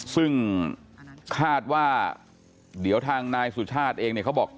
ซึ่งคาดว่าเดี๋ยวทางนายสุชาติเองเนี่ยเขาบอก